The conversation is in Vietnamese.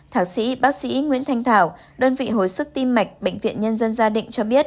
thạc sĩ bác sĩ nguyễn thanh thảo đơn vị hồi sức tim mạch bệnh viện nhân dân gia định cho biết